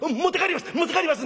持って帰ります！